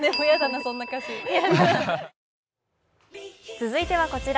続いてはこちら。